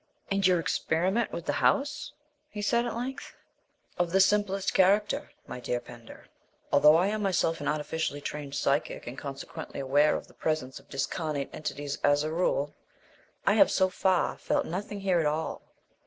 "And your experiment with the house?" he said at length. "Of the simplest character, my dear Mr. Pender. Although I am myself an artificially trained psychic, and consequently aware of the presence of discarnate entities as a rule, I have so far felt nothing here at all.